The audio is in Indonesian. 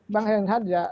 bang henhar ya